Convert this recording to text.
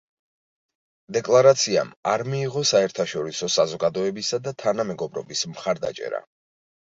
დეკლარაციამ არ მიიღო საერთაშორისო საზოგადოებისა და თანამეგობრობის მხარდაჭერა.